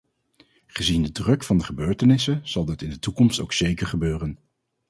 Gezien de druk van de gebeurtenissen zal dit in de toekomst ook zeker gebeuren.